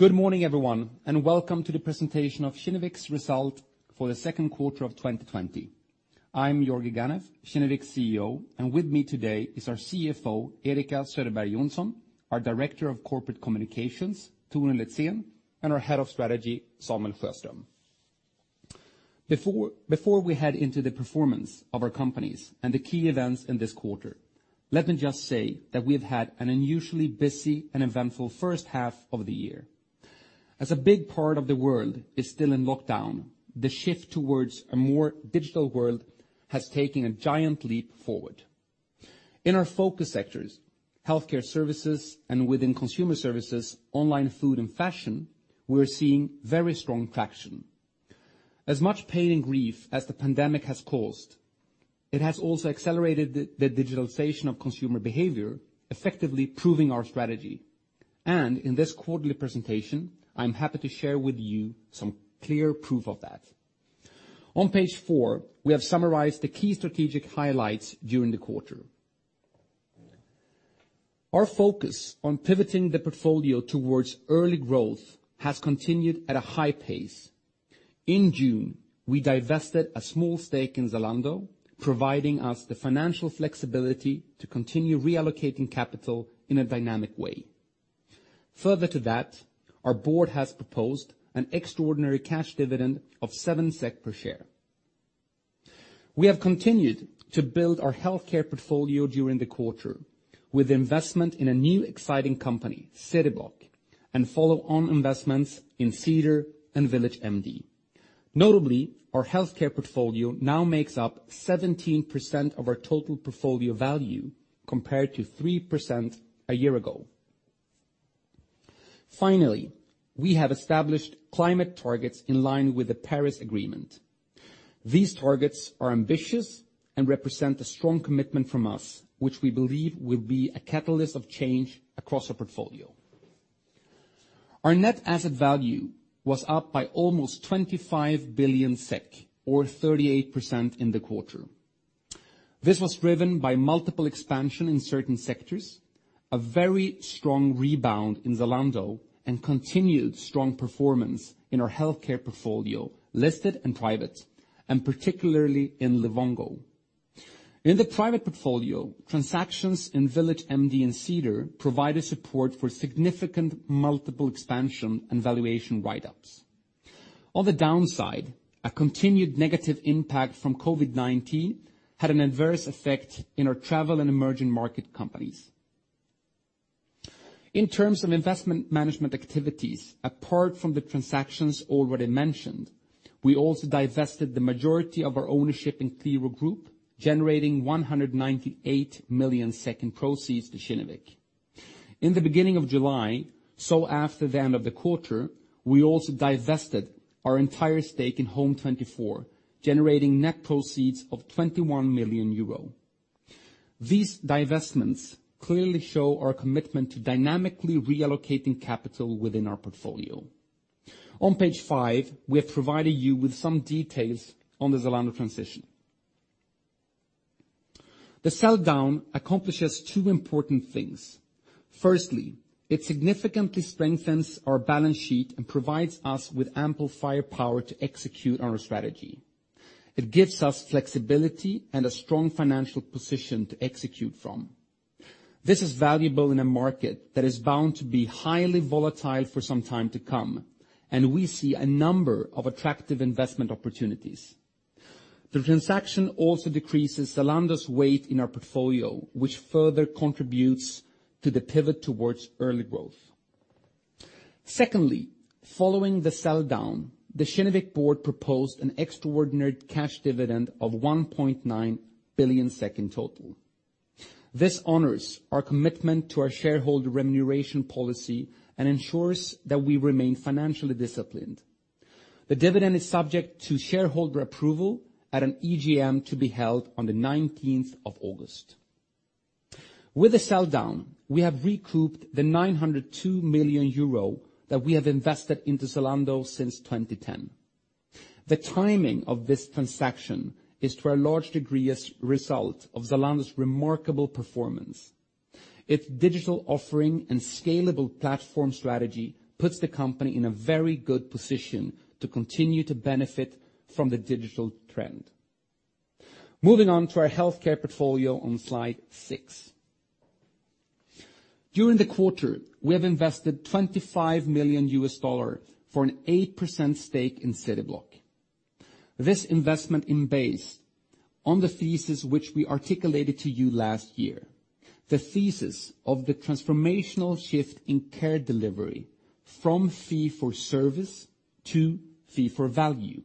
Good morning, everyone, and welcome to the presentation of Kinnevik's result for the second quarter of 2020. I'm Georgi Ganev, Kinnevik's CEO, and with me today is our CFO, Erika Söderberg Johnson, our Director of Corporate Communications, Torun Litzén, and our Head of Strategy, Samuel Sjöström. Before we head into the performance of our companies and the key events in this quarter, let me just say that we have had an unusually busy and eventful first half of the year. As a big part of the world is still in lockdown, the shift towards a more digital world has taken a giant leap forward. In our focus sectors, healthcare services and within consumer services, online food, and fashion, we're seeing very strong traction. As much pain and grief as the pandemic has caused, it has also accelerated the digitalization of consumer behavior, effectively proving our strategy. In this quarterly presentation, I'm happy to share with you some clear proof of that. On page four, we have summarized the key strategic highlights during the quarter. Our focus on pivoting the portfolio towards early growth has continued at a high pace. In June, we divested a small stake in Zalando, providing us the financial flexibility to continue reallocating capital in a dynamic way. Further to that, our board has proposed an extraordinary cash dividend of seven SEK per share. We have continued to build our healthcare portfolio during the quarter with investment in a new exciting company, Cityblock, and follow-on investments in Cedar and VillageMD. Notably, our healthcare portfolio now makes up 17% of our total portfolio value, compared to 3% a year ago. Finally, we have established climate targets in line with the Paris Agreement. These targets are ambitious and represent a strong commitment from us, which we believe will be a catalyst of change across our portfolio. Our net asset value was up by almost 25 billion SEK, or 38% in the quarter. This was driven by multiple expansion in certain sectors, a very strong rebound in Zalando, and continued strong performance in our healthcare portfolio, listed and private, and particularly in Livongo. In the private portfolio, transactions in VillageMD and Cedar provided support for significant multiple expansion and valuation write-ups. On the downside, a continued negative impact from COVID-19 had an adverse effect in our travel and emerging market companies. In terms of investment management activities, apart from the transactions already mentioned, we also divested the majority of our ownership in Qliro Group, generating 198 million in proceeds to Kinnevik. In the beginning of July, so after the end of the quarter, we also divested our entire stake in Home24, generating net proceeds of 21 million euro. These divestments clearly show our commitment to dynamically reallocating capital within our portfolio. On page five, we have provided you with some details on the Zalando transition. The sell-down accomplishes two important things. Firstly, it significantly strengthens our balance sheet and provides us with ample firepower to execute on our strategy. It gives us flexibility and a strong financial position to execute from. This is valuable in a market that is bound to be highly volatile for some time to come, and we see a number of attractive investment opportunities. The transaction also decreases Zalando's weight in our portfolio, which further contributes to the pivot towards early growth. Secondly, following the sell-down, the Kinnevik board proposed an extraordinary cash dividend of 1.9 billion in total. This honors our commitment to our shareholder remuneration policy and ensures that we remain financially disciplined. The dividend is subject to shareholder approval at an EGM to be held on the 19th of August. With the sell-down, we have recouped the €902 million that we have invested into Zalando since 2010. The timing of this transaction is, to a large degree, a result of Zalando's remarkable performance. Its digital offering and scalable platform strategy puts the company in a very good position to continue to benefit from the digital trend. Moving on to our healthcare portfolio on slide six. During the quarter, we have invested $25 million for an 8% stake in CityBlock. This investment is based on the thesis which we articulated to you last year, the thesis of the transformational shift in care delivery from fee for service to fee for value.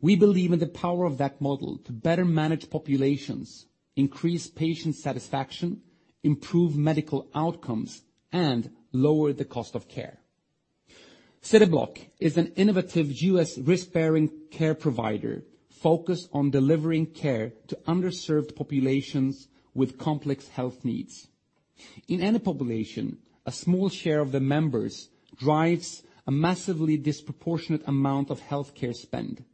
We believe in the power of that model to better manage populations, increase patient satisfaction, improve medical outcomes, and lower the cost of care. Cityblock is an innovative U.S. risk-bearing care provider focused on delivering care to underserved populations with complex health needs. In any population, a small share of the members drives a massively disproportionate amount of healthcare spend.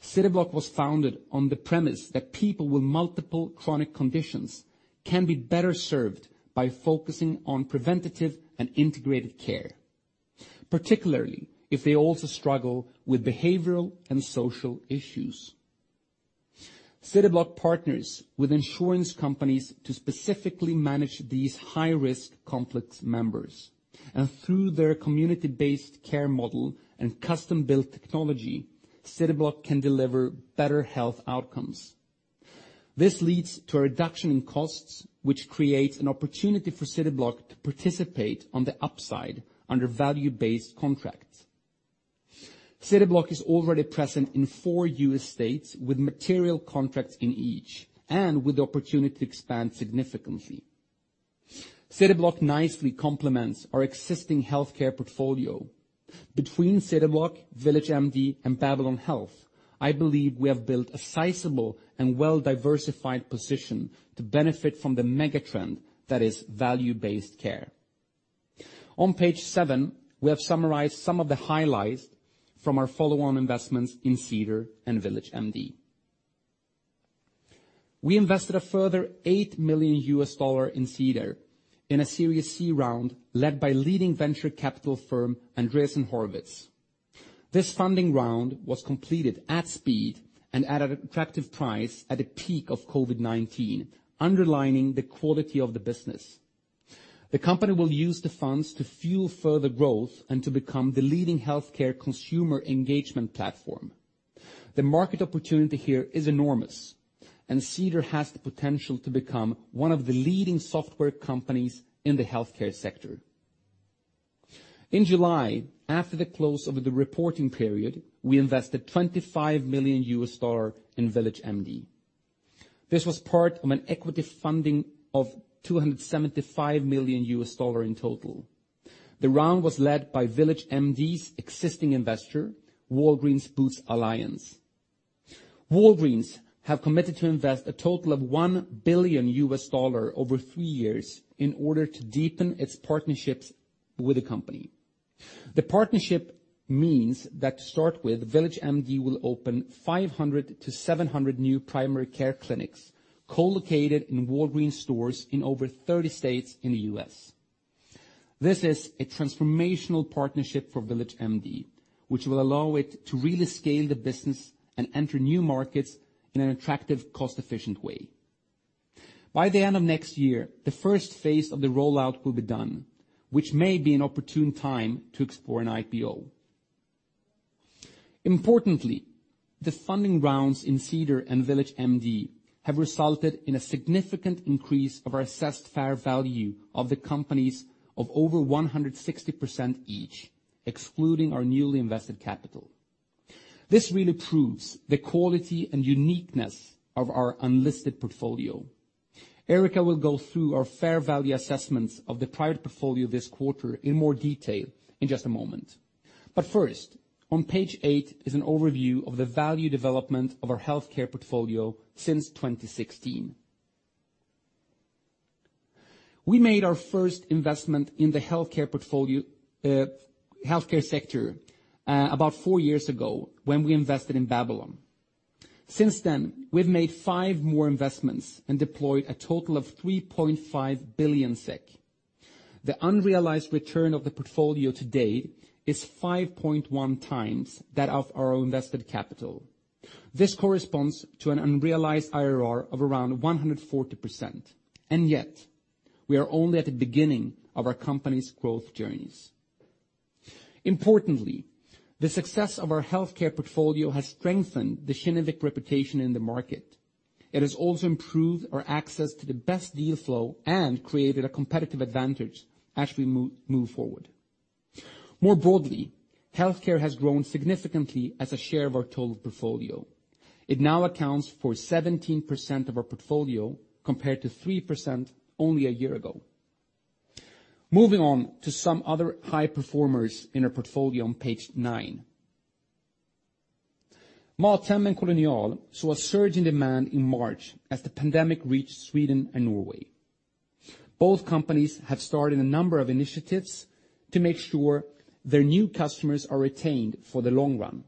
Cityblock was founded on the premise that people with multiple chronic conditions can be better served by focusing on preventative and integrated care, particularly if they also struggle with behavioral and social issues. Cityblock partners with insurance companies to specifically manage these high-risk complex members. Through their community-based care model and custom-built technology, Cityblock can deliver better health outcomes. This leads to a reduction in costs, which creates an opportunity for Cityblock to participate on the upside under value-based contracts. Cityblock is already present in four U.S. states with material contracts in each, and with the opportunity to expand significantly. Cityblock nicely complements our existing healthcare portfolio. Between Cityblock, VillageMD, and Babylon Health, I believe we have built a sizable and well-diversified position to benefit from the mega-trend that is value-based care. On page seven, we have summarized some of the highlights from our follow-on investments in Cedar and VillageMD. We invested a further SEK eight million in Cedar in a Series C round led by leading venture capital firm Andreessen Horowitz. This funding round was completed at speed and at an attractive price at the peak of COVID-19, underlining the quality of the business. The company will use the funds to fuel further growth and to become the leading healthcare consumer engagement platform. The market opportunity here is enormous. Cedar has the potential to become one of the leading software companies in the healthcare sector. In July, after the close of the reporting period, we invested $25 million in VillageMD. This was part of an equity funding of $275 million in total. The round was led by VillageMD's existing investor, Walgreens Boots Alliance. Walgreens have committed to invest a total of $1 billion over three years in order to deepen its partnerships with the company. The partnership means that to start with, VillageMD will open 500 to 700 new primary care clinics co-located in Walgreens stores in over 30 states in the U.S. This is a transformational partnership for VillageMD, which will allow it to really scale the business and enter new markets in an attractive, cost-efficient way. By the end of next year, the first phase of the rollout will be done, which may be an opportune time to explore an IPO. The funding rounds in Cedar and VillageMD have resulted in a significant increase of our assessed fair value of the companies of over 160% each, excluding our newly invested capital. This really proves the quality and uniqueness of our unlisted portfolio. Erika will go through our fair value assessments of the private portfolio this quarter in more detail in just a moment. First, on page eight is an overview of the value development of our healthcare portfolio since 2016. We made our first investment in the healthcare sector about four years ago when we invested in Babylon. Since then, we've made five more investments and deployed a total of 3.5 billion SEK. The unrealized return of the portfolio today is 5.1 times that of our invested capital. Yet we are only at the beginning of our company's growth journeys. Importantly, the success of our healthcare portfolio has strengthened the Kinnevik reputation in the market. It has also improved our access to the best deal flow and created a competitive advantage as we move forward. More broadly, healthcare has grown significantly as a share of our total portfolio. It now accounts for 17% of our portfolio, compared to 3% only a year ago. Moving on to some other high performers in our portfolio on page nine. MatHem and Kolonial saw a surge in demand in March as the pandemic reached Sweden and Norway. Both companies have started a number of initiatives to make sure their new customers are retained for the long run.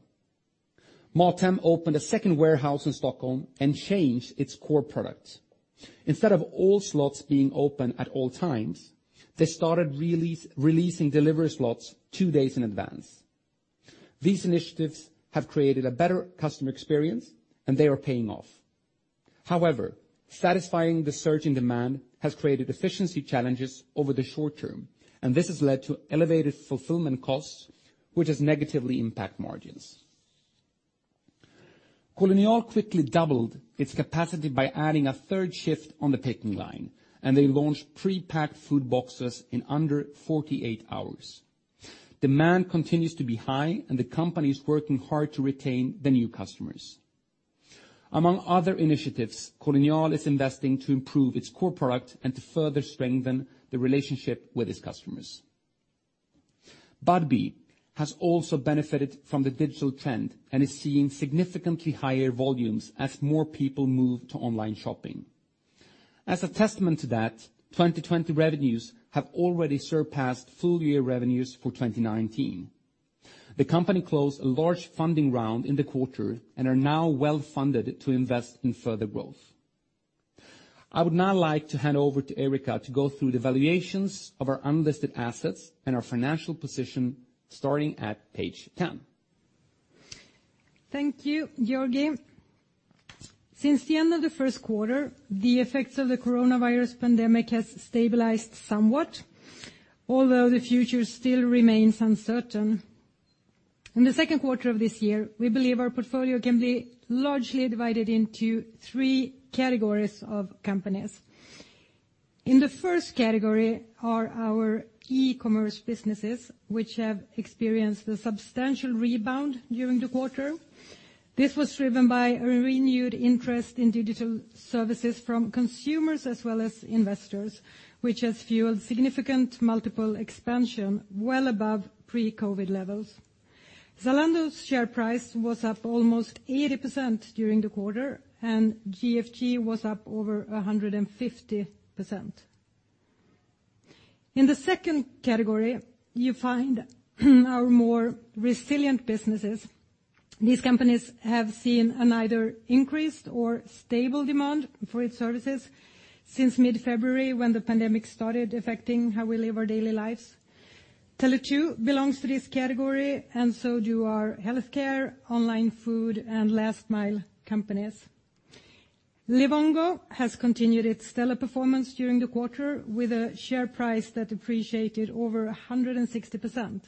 MatHem opened a second warehouse in Stockholm and changed its core product. Instead of all slots being open at all times, they started releasing delivery slots two days in advance. These initiatives have created a better customer experience, and they are paying off. Satisfying the surge in demand has created efficiency challenges over the short term, and this has led to elevated fulfillment costs, which has negatively impact margins. Kolonial quickly doubled its capacity by adding a third shift on the picking line, and they launched prepacked food boxes in under 48 hours. Demand continues to be high, and the company is working hard to retain the new customers. Among other initiatives, Kolonial is investing to improve its core product and to further strengthen the relationship with its customers. Budbee has also benefited from the digital trend and is seeing significantly higher volumes as more people move to online shopping. As a testament to that, 2020 revenues have already surpassed full-year revenues for 2019. The company closed a large funding round in the quarter and are now well-funded to invest in further growth. I would now like to hand over to Erika to go through the valuations of our unlisted assets and our financial position, starting at page 10. Thank you, Georgi. Since the end of the first quarter, the effects of the coronavirus pandemic has stabilized somewhat, although the future still remains uncertain. In the second quarter of this year, we believe our portfolio can be largely divided into three categories of companies. In the first category are our key commerce businesses, which have experienced a substantial rebound during the quarter. This was driven by a renewed interest in digital services from consumers as well as investors, which has fueled significant multiple expansion well above pre-COVID levels. Zalando's share price was up almost 80% during the quarter, and GFG was up over 150%. In the second category, you find our more resilient businesses. These companies have seen an either increased or stable demand for its services since mid-February, when the pandemic started affecting how we live our daily lives. Tele2 belongs to this category, and so do our healthcare, online food, and last-mile companies. Livongo has continued its stellar performance during the quarter, with a share price that appreciated over 160%.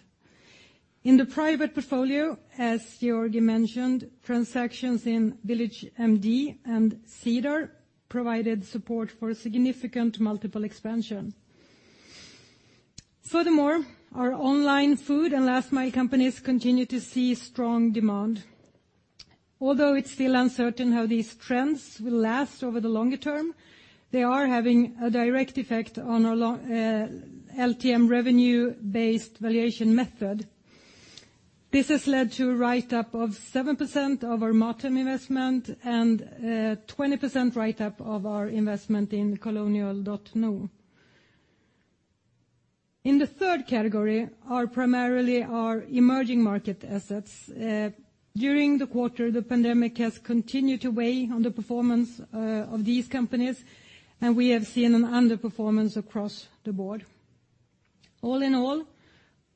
In the private portfolio, as Georgi mentioned, transactions in VillageMD and Cedar provided support for significant multiple expansion. Furthermore, our online food and last-mile companies continue to see strong demand. Although it's still uncertain how these trends will last over the longer term, they are having a direct effect on our LTM revenue-based valuation method. This has led to a write-up of 7% of our MatHem investment and 20% write-up of our investment in Kolonial.no. In the third category are primarily our emerging market assets. During the quarter, the pandemic has continued to weigh on the performance of these companies, and we have seen an underperformance across the board. All in all,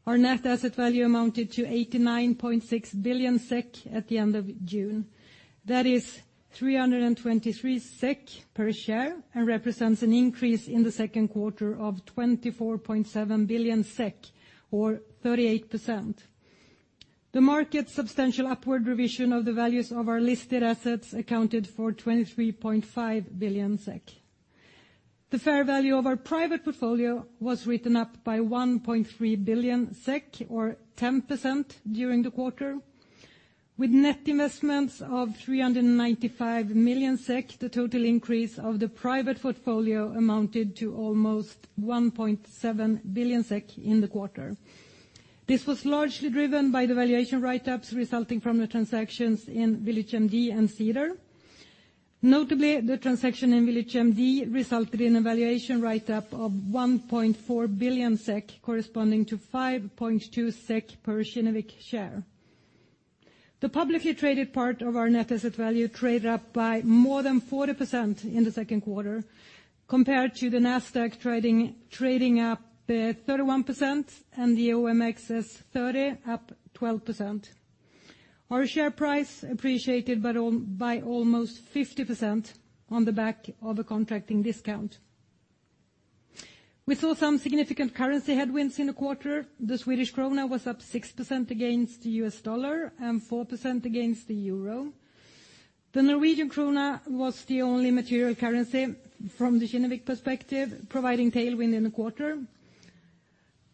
our net asset value amounted to 89.6 billion SEK at the end of June. That is 323 SEK per share and represents an increase in the second quarter of 24.7 billion SEK or 38%. The market's substantial upward revision of the values of our listed assets accounted for 23.5 billion SEK. The fair value of our private portfolio was written up by 1.3 billion SEK or 10% during the quarter. With net investments of 395 million SEK, the total increase of the private portfolio amounted to almost 1.7 billion SEK in the quarter. This was largely driven by the valuation write-ups resulting from the transactions in VillageMD and Cedar. Notably, the transaction in VillageMD resulted in a valuation write-up of 1.4 billion SEK, corresponding to 5.2 SEK per Kinnevik share. The publicly traded part of our net asset value traded up by more than 40% in the second quarter compared to the NASDAQ trading up 31% and the OMXS30 up 12%. Our share price appreciated by almost 50% on the back of a contracting discount. We saw some significant currency headwinds in the quarter. The Swedish krona was up 6% against the U.S. dollar and 4% against the euro. The Norwegian krona was the only material currency from the Kinnevik perspective, providing tailwind in the quarter.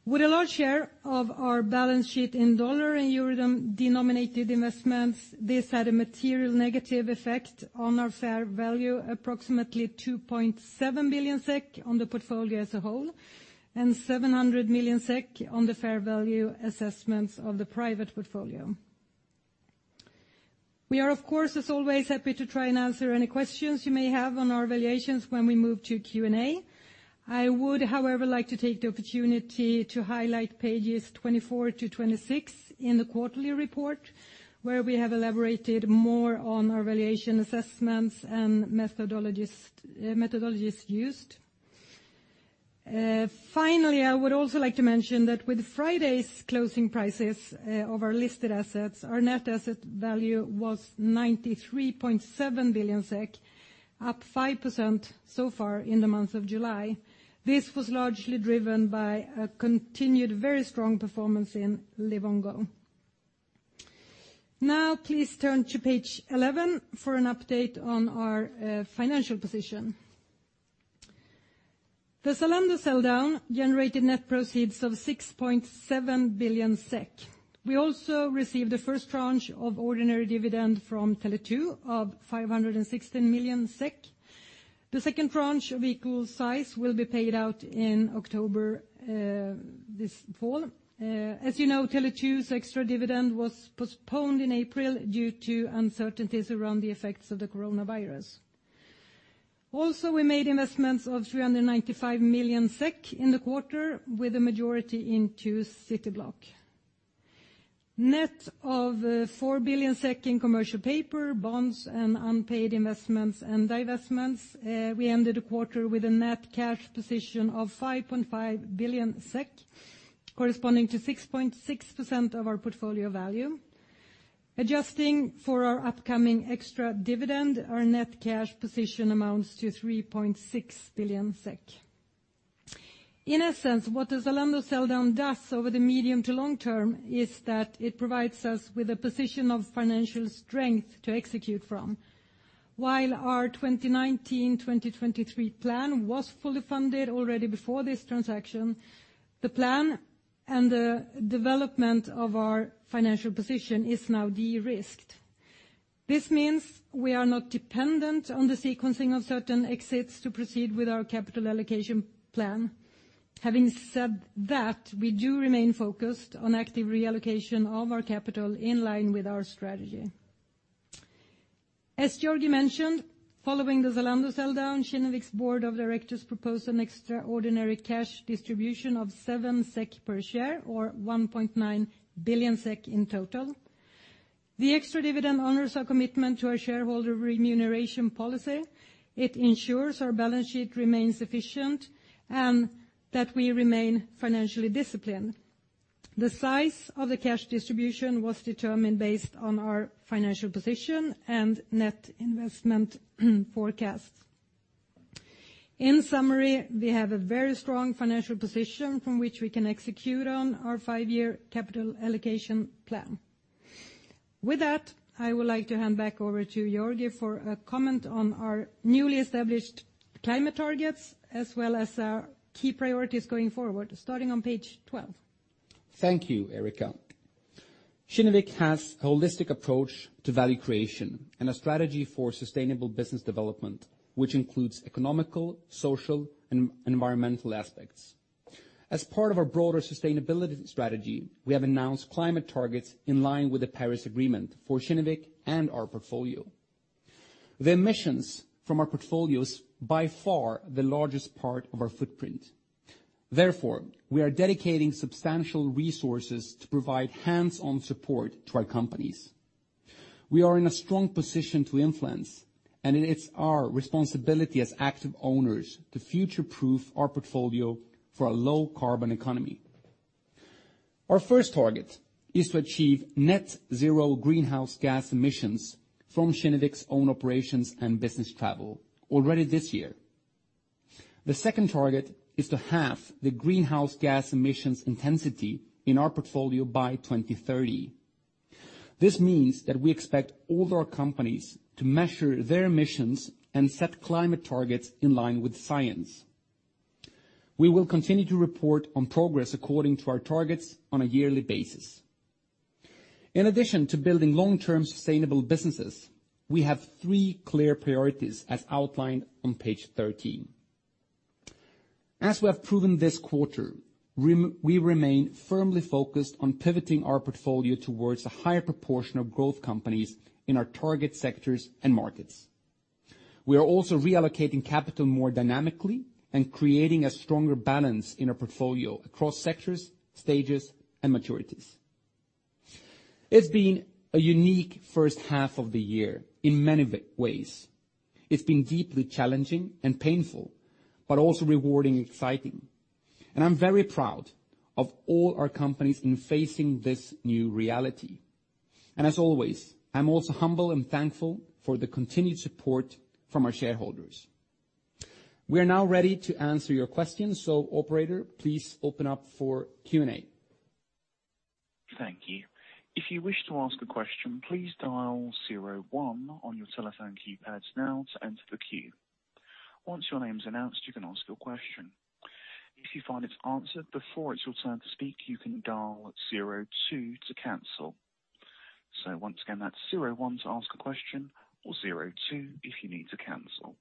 With a large share of our balance sheet in USD and EUR-denominated investments, this had a material negative effect on our fair value, approximately 2.7 billion SEK on the portfolio as a whole, and 700 million SEK on the fair value assessments of the private portfolio. We are, of course, as always, happy to try and answer any questions you may have on our valuations when we move to Q&A. I would, however, like to take the opportunity to highlight pages 24-26 in the quarterly report, where we have elaborated more on our valuation assessments and methodologies used. Finally, I would also like to mention that with Friday's closing prices of our listed assets, our net asset value was 93.7 billion SEK, up 5% so far in the month of July. This was largely driven by a continued very strong performance in Livongo. Now please turn to page 11 for an update on our financial position. The Zalando sell-down generated net proceeds of 6.7 billion SEK. We also received the first tranche of ordinary dividend from Tele2 of 516 million SEK. The second tranche of equal size will be paid out in October this fall. As you know, Tele2's extra dividend was postponed in April due to uncertainties around the effects of the coronavirus. We made investments of 395 million SEK in the quarter, with a majority into Cityblock. Net of 4 billion in commercial paper, bonds and unpaid investments and divestments, we ended the quarter with a net cash position of 5.5 billion SEK, corresponding to 6.6% of our portfolio value. Adjusting for our upcoming extra dividend, our net cash position amounts to 3.6 billion SEK. In a sense, what the Zalando sell-down does over the medium to long term is that it provides us with a position of financial strength to execute from. While our 2019-2023 plan was fully funded already before this transaction, the plan and the development of our financial position is now de-risked. This means we are not dependent on the sequencing of certain exits to proceed with our capital allocation plan. Having said that, we do remain focused on active reallocation of our capital in line with our strategy. As Georgi mentioned, following the Zalando sell-down, Kinnevik's board of directors propose an extraordinary cash distribution of 7 SEK per share or 1.9 billion SEK in total. The extra dividend honors our commitment to our shareholder remuneration policy. It ensures our balance sheet remains efficient and that we remain financially disciplined. The size of the cash distribution was determined based on our financial position and net investment forecasts. In summary, we have a very strong financial position from which we can execute on our five-year capital allocation plan. With that, I would like to hand back over to Georgi for a comment on our newly established climate targets as well as our key priorities going forward, starting on page 12. Thank you, Erika. Kinnevik has a holistic approach to value creation and a strategy for sustainable business development, which includes economical, social, and environmental aspects. As part of our broader sustainability strategy, we have announced climate targets in line with the Paris Agreement for Kinnevik and our portfolio. The emissions from our portfolio is by far the largest part of our footprint. Therefore, we are dedicating substantial resources to provide hands-on support to our companies. We are in a strong position to influence, and it's our responsibility as active owners to future-proof our portfolio for a low carbon economy. Our first target is to achieve net zero greenhouse gas emissions from Kinnevik's own operations and business travel already this year. The second target is to halve the greenhouse gas emissions intensity in our portfolio by 2030. This means that we expect all our companies to measure their emissions and set climate targets in line with science. We will continue to report on progress according to our targets on a yearly basis. In addition to building long-term sustainable businesses, we have three clear priorities as outlined on page 13. As we have proven this quarter, we remain firmly focused on pivoting our portfolio towards a higher proportion of growth companies in our target sectors and markets. We are also reallocating capital more dynamically and creating a stronger balance in our portfolio across sectors, stages, and maturities. It's been a unique first half of the year in many ways. It's been deeply challenging and painful, also rewarding and exciting. I'm very proud of all our companies in facing this new reality. As always, I'm also humble and thankful for the continued support from our shareholders. We are now ready to answer your questions. Operator, please open up for Q&A. Thank you. If you wish to ask a question, please dial zero one on your telephone keypads now to enter the queue. Once your name's announced, you can ask your question. If you find it's answered before it's your turn to speak, you can dial zero two to cancel. Once again, that's zero one to ask a question or zero two if you need to cancel.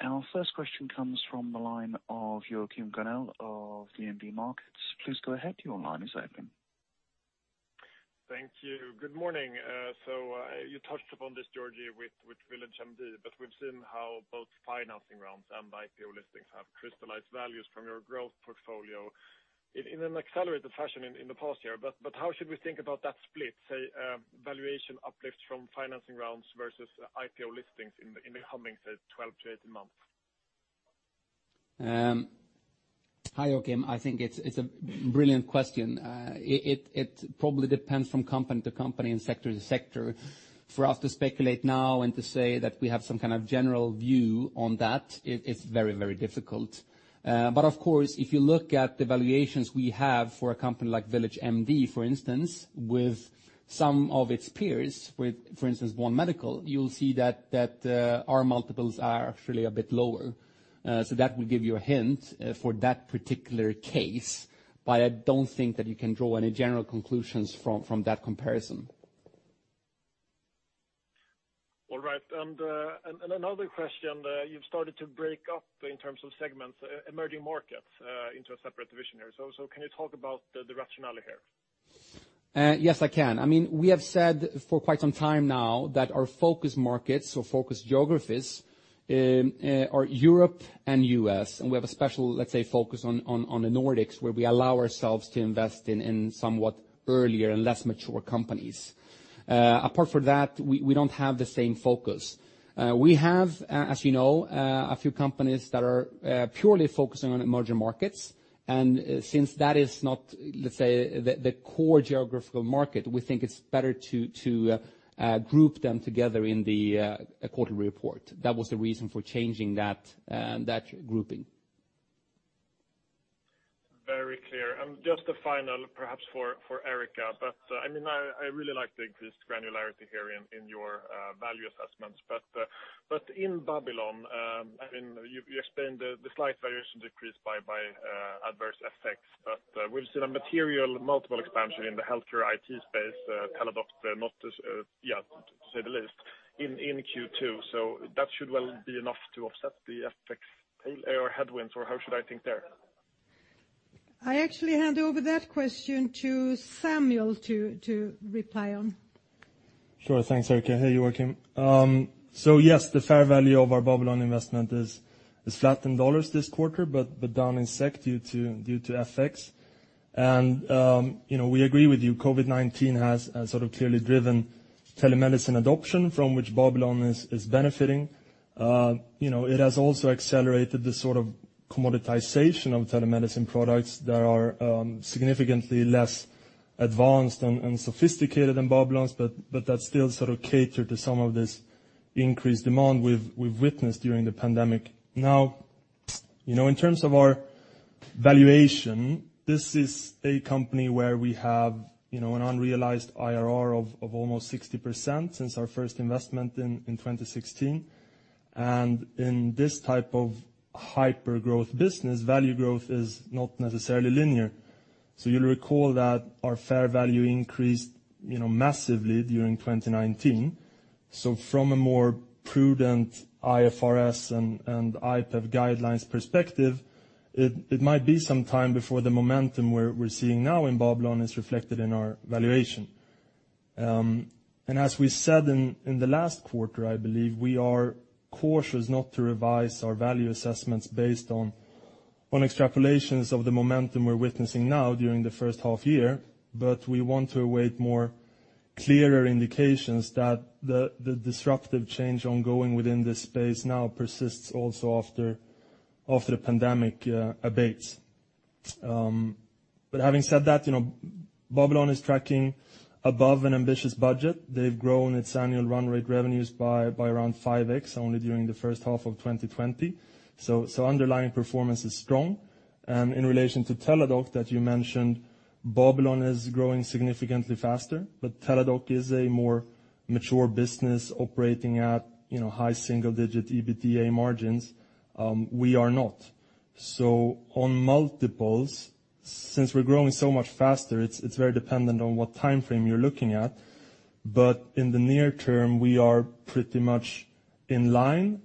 Our first question comes from the line of Joachim Gunell of DNB Markets. Please go ahead. Your line is open. Thank you. Good morning. You touched upon this, Georgi, with VillageMD, but we've seen how both financing rounds and IPO listings have crystallized values from your growth portfolio in an accelerated fashion in the past year. How should we think about that split, say, valuation uplift from financing rounds versus IPO listings in the coming, say, 12 to 18 months? Hi, Joachim. I think it is a brilliant question. It probably depends from company to company and sector to sector. For us to speculate now and to say that we have some kind of general view on that, it is very difficult. Of course, if you look at the valuations we have for a company like VillageMD, for instance, with some of its peers, with, for instance, One Medical, you'll see that our multiples are actually a bit lower. That will give you a hint for that particular case, but I don't think that you can draw any general conclusions from that comparison. All right. Another question, you've started to break up in terms of segments, emerging markets into a separate division here. Can you talk about the rationale here? Yes, I can. We have said for quite some time now that our focus markets or focus geographies are Europe and U.S. We have a special, let's say, focus on the Nordics, where we allow ourselves to invest in somewhat earlier and less mature companies. Apart from that, we don't have the same focus. We have, as you know, a few companies that are purely focusing on emerging markets. Since that is not the core geographical market, we think it's better to group them together in the quarterly report. That was the reason for changing that grouping. Very clear. Just a final, perhaps for Erika, but I really like the existing granularity here in your value assessments. In Babylon, you explained the slight valuation decreased by adverse FX, we've seen a material multiple expansion in the healthcare IT space, Teladoc, to say the least, in Q2. That should well be enough to offset the FX tail or headwinds, or how should I think there? I actually hand over that question to Samuel to reply on. Sure. Thanks, Erika. Hey, Joachim. Yes, the fair value of our Babylon investment is flat in USD this quarter, but down in SEK due to FX. We agree with you, COVID-19 has clearly driven telemedicine adoption, from which Babylon is benefiting. It has also accelerated the commoditization of telemedicine products that are significantly less advanced and sophisticated than Babylon's, but that still cater to some of this increased demand we've witnessed during the pandemic. In terms of our valuation, this is a company where we have an unrealized IRR of almost 60% since our first investment in 2016. In this type of hyper-growth business, value growth is not necessarily linear. You'll recall that our fair value increased massively during 2019. From a more prudent IFRS and IPEV guidelines perspective, it might be some time before the momentum we're seeing now in Babylon is reflected in our valuation. As we said in the last quarter, I believe, we are cautious not to revise our value assessments based on extrapolations of the momentum we're witnessing now during the first half year. We want to await more clearer indications that the disruptive change ongoing within this space now persists also after the pandemic abates. Having said that, Babylon is tracking above an ambitious budget. They've grown its annual run rate revenues by around 5x only during the first half of 2020. Underlying performance is strong. In relation to Teladoc, that you mentioned, Babylon is growing significantly faster, but Teladoc is a more mature business operating at high single-digit EBITDA margins. We are not. On multiples, since we're growing so much faster, it's very dependent on what time frame you're looking at. In the near term, we are pretty much in line,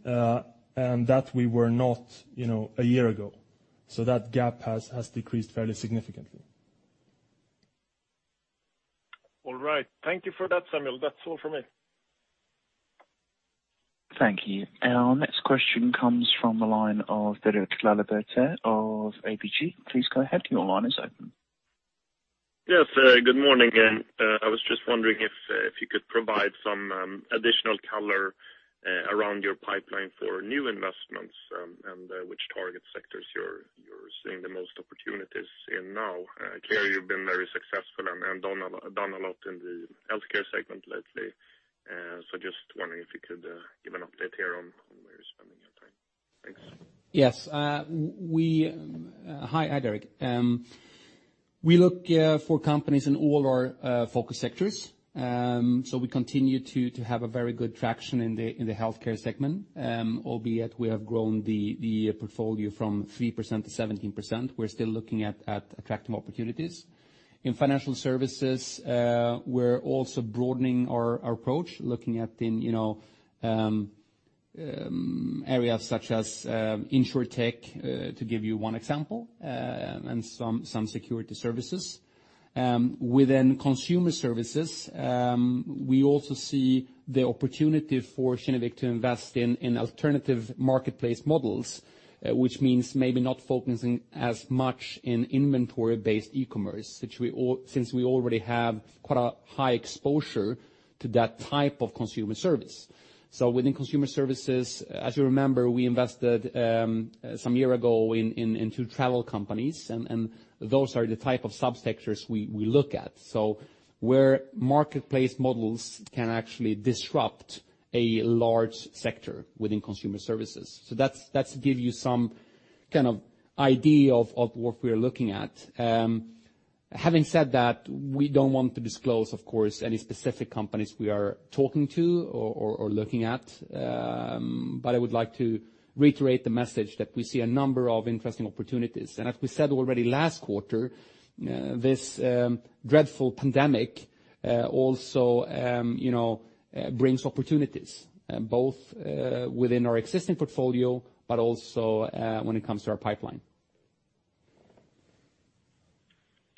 and that we were not a year ago. That gap has decreased fairly significantly. All right. Thank you for that, Samuel. That's all from me. Thank you. Our next question comes from the line of Derek Laliberté of ABG. Please go ahead. Your line is open. Yes. Good morning. I was just wondering if you could provide some additional color around your pipeline for new investments and which target sectors you're seeing the most opportunities in now. Clear you've been very successful and done a lot in the healthcare segment lately. Just wondering if you could give an update here on where you're spending your time. Thanks. Yes. Hi, Derek. We look for companies in all our focus sectors. We continue to have a very good traction in the healthcare segment, albeit we have grown the portfolio from 3% to 17%. We're still looking at attractive opportunities. In financial services, we're also broadening our approach, looking at in areas such as Insurtech, to give you one example, and some security services. Within consumer services, we also see the opportunity for Kinnevik to invest in alternative marketplace models, which means maybe not focusing as much in inventory-based e-commerce since we already have quite a high exposure to that type of consumer service. Within consumer services, as you remember, we invested some year ago in two travel companies, and those are the type of subsectors we look at. Where marketplace models can actually disrupt a large sector within consumer services. That's give you some kind of idea of what we are looking at. Having said that, we don't want to disclose, of course, any specific companies we are talking to or looking at. I would like to reiterate the message that we see a number of interesting opportunities. As we said already last quarter, this dreadful pandemic also brings opportunities, both within our existing portfolio, but also when it comes to our pipeline.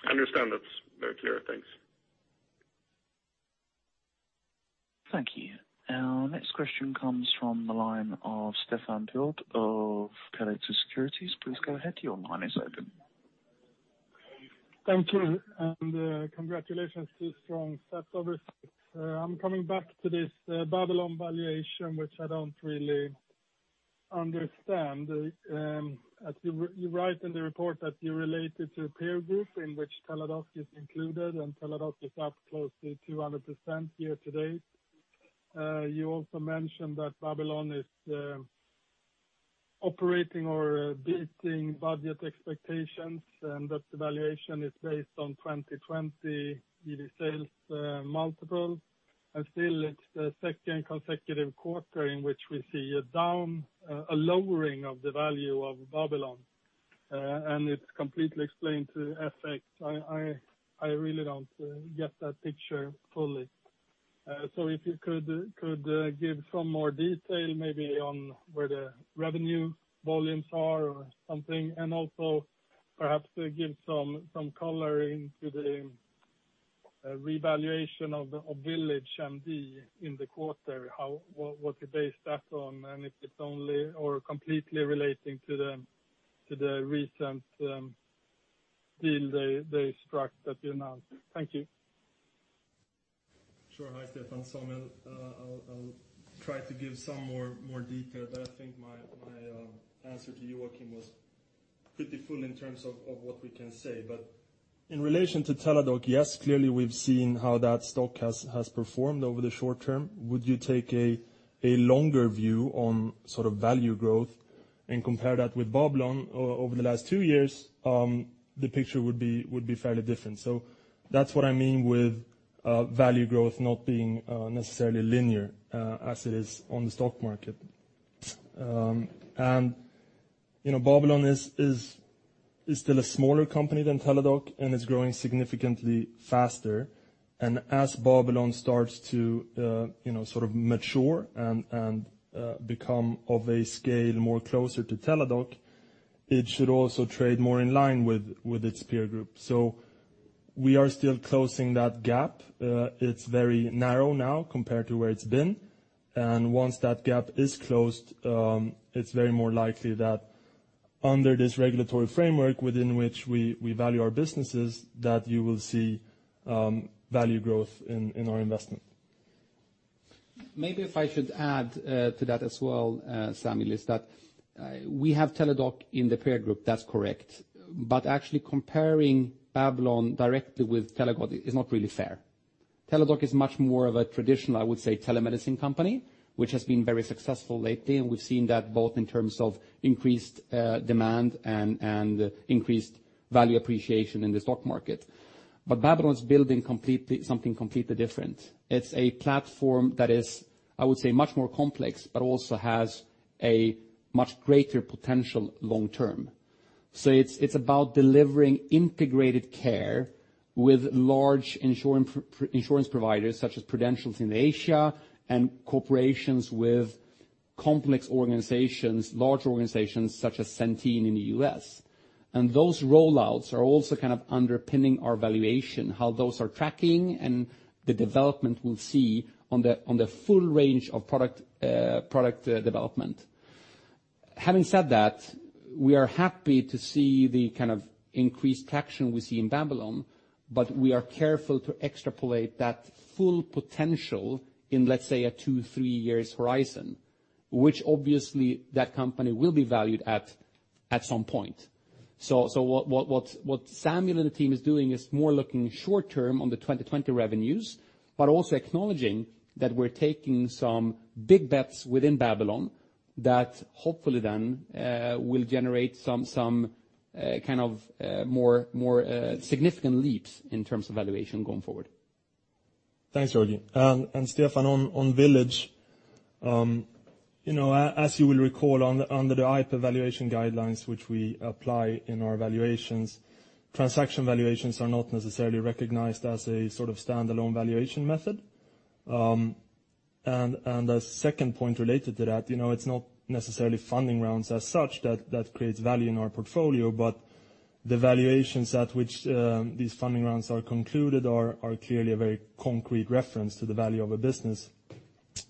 Understand. That's very clear. Thanks. Thank you. Our next question comes from the line of Stefan Wård of Pareto Securities. Please go ahead. Your line is open. Thank you, and congratulations to strong stats obviously. I'm coming back to this Babylon valuation, which I don't really understand. You write in the report that you relate it to a peer group in which Teladoc is included, and Teladoc is up close to 200% year-to-date. You also mentioned that Babylon is operating or beating budget expectations, and that the valuation is based on 2020 yearly sales multiple. Still it's the second consecutive quarter in which we see a lowering of the value of Babylon. It's completely explained to FX. I really don't get that picture fully. If you could give some more detail maybe on where the revenue volumes are or something, and also perhaps give some color into the revaluation of VillageMD in the quarter. What you based that on? If it's only or completely relating to the recent deal they struck that you announced? Thank you. Sure. Hi, Stefan. I'll try to give some more detail, but I think my answer to you, Joachim, was pretty full in terms of what we can say. In relation to Teladoc, yes, clearly we've seen how that stock has performed over the short term. Would you take a longer view on value growth and compare that with Babylon over the last two years? The picture would be fairly different. That's what I mean with value growth not being necessarily linear as it is on the stock market. Babylon is still a smaller company than Teladoc, and it's growing significantly faster. As Babylon starts to mature and become of a scale more closer to Teladoc, it should also trade more in line with its peer group. We are still closing that gap. It's very narrow now compared to where it's been. Once that gap is closed, it's very more likely that under this regulatory framework within which we value our businesses, that you will see value growth in our investment. Maybe if I should add to that as well, Samuel, is that we have Teladoc in the peer group. That's correct. Actually comparing Babylon directly with Teladoc is not really fair. Teladoc is much more of a traditional, I would say, telemedicine company, which has been very successful lately, and we've seen that both in terms of increased demand and increased value appreciation in the stock market. Babylon is building something completely different. It's a platform that is, I would say, much more complex, but also has a much greater potential long term. It's about delivering integrated care with large insurance providers such as Prudential in Asia and corporations with complex organizations, large organizations such as Centene in the U.S. Those roll-outs are also underpinning our valuation, how those are tracking and the development we'll see on the full range of product development. Having said that, we are happy to see the increased traction we see in Babylon, but we are careful to extrapolate that full potential in, let's say, a two, three years horizon, which obviously that company will be valued at some point. So what Samuel and the team is doing is more looking short term on the 2020 revenues, but also acknowledging that we're taking some big bets within Babylon that hopefully then will generate some more significant leaps in terms of valuation going forward. Thanks, Joachim. Stefan, on VillageMD, as you will recall under the IPEV valuation guidelines which we apply in our valuations, transaction valuations are not necessarily recognized as a sort of standalone valuation method. A second point related to that, it's not necessarily funding rounds as such that creates value in our portfolio, but the valuations at which these funding rounds are concluded are clearly a very concrete reference to the value of a business,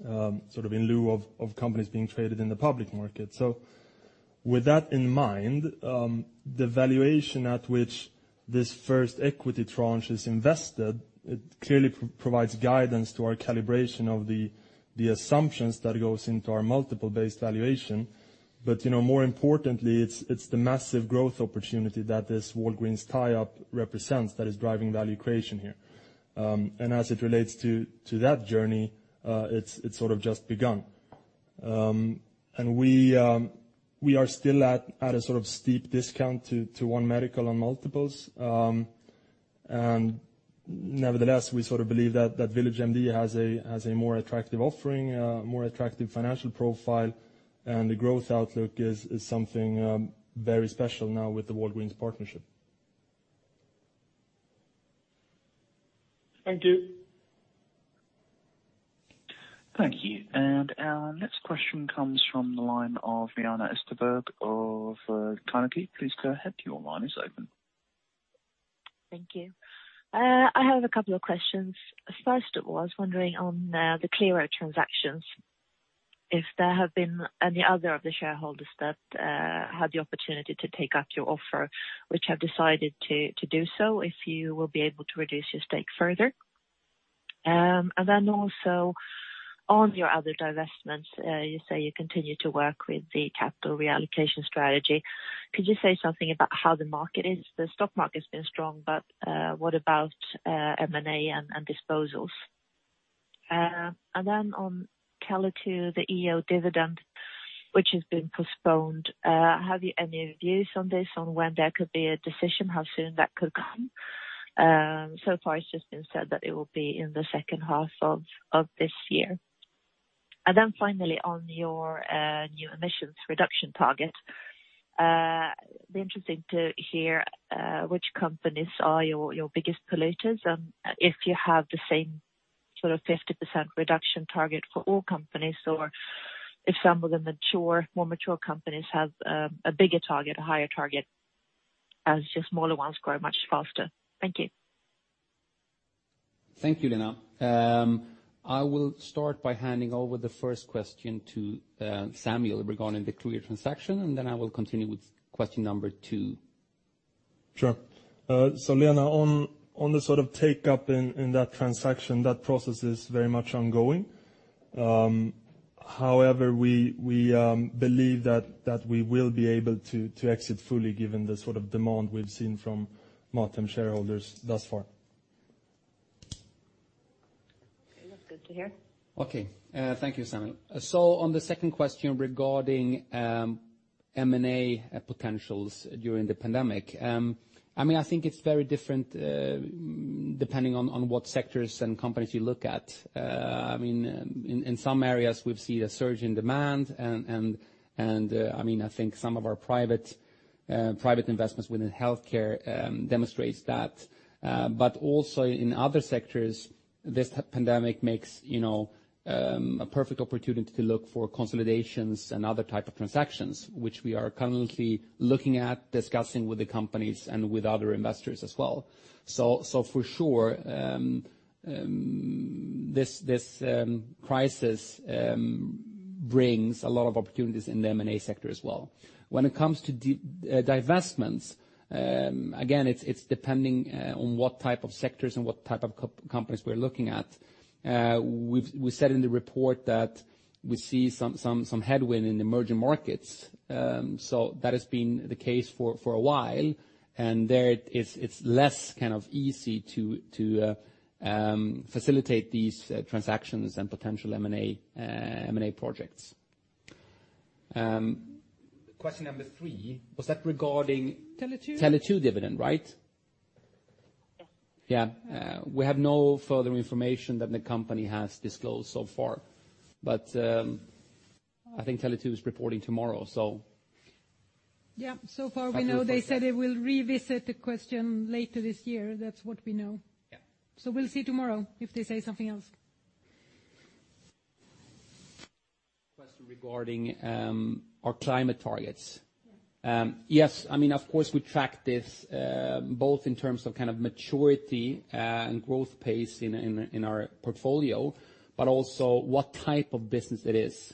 sort of in lieu of companies being traded in the public market. With that in mind, the valuation at which this first equity tranche is invested, it clearly provides guidance to our calibration of the assumptions that goes into our multiple-based valuation. More importantly, it's the massive growth opportunity that this Walgreens tie-up represents that is driving value creation here. As it relates to that journey, it's sort of just begun. We are still at a sort of steep discount to One Medical on multiples. Nevertheless, we believe that VillageMD has a more attractive offering, a more attractive financial profile. The growth outlook is something very special now with the Walgreens partnership. Thank you. Thank you. Our next question comes from the line of Lena Österberg of Carnegie. Please go ahead. Your line is open. Thank you. I have a couple of questions. First of all, I was wondering on the Qliro transactions, if there have been any other of the shareholders that had the opportunity to take up your offer, which have decided to do so, if you will be able to reduce your stake further. On your other divestments, you say you continue to work with the capital reallocation strategy. Could you say something about how the market is? The stock market's been strong, what about M&A and disposals? On Tele2, the EO dividend, which has been postponed, have you any views on this, on when there could be a decision, how soon that could come? It's just been said that it will be in the second half of this year. Finally on your new emissions reduction target, be interesting to hear which companies are your biggest polluters, and if you have the same sort of 50% reduction target for all companies, or if some of the more mature companies have a bigger target, a higher target as your smaller ones grow much faster. Thank you. Thank you, Lena. I will start by handing over the first question to Samuel regarding the Qliro transaction, and then I will continue with question number two. Sure. Lena, on the sort of take-up in that transaction, that process is very much ongoing. However, we believe that we will be able to exit fully given the sort of demand we've seen from MatHem shareholders thus far. Okay, that's good to hear. Thank you, Samuel. On the second question regarding M&A potentials during the pandemic, I think it's very different, depending on what sectors and companies you look at. In some areas we've seen a surge in demand and I think some of our private investments within healthcare demonstrates that. Also in other sectors, this pandemic makes a perfect opportunity to look for consolidations and other type of transactions, which we are currently looking at, discussing with the companies and with other investors as well. For sure, this crisis brings a lot of opportunities in the M&A sector as well. When it comes to divestments, again, it's depending on what type of sectors and what type of companies we're looking at. We said in the report that we see some headwind in emerging markets, so that has been the case for a while, and there it's less easy to facilitate these transactions and potential M&A projects. Question number 3, was that regarding? Tele2 Tele2 dividend, right? Yeah. Yeah. We have no further information than the company has disclosed so far, but I think Tele2 is reporting tomorrow. Yeah. Far we know they said they will revisit the question later this year. That is what we know. Yeah. We'll see tomorrow if they say something else. Question regarding our climate targets. Yeah. Yes, of course we track this, both in terms of maturity and growth pace in our portfolio, but also what type of business it is.